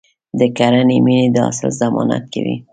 د کرنې مینه د حاصل ضمانت کوي.